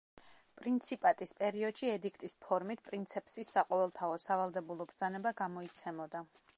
პრინციპატის პერიოდში ედიქტის ფორმით პრინცეფსის საყოველთაო სავალდებულო ბრძანება გამოიცემოდა.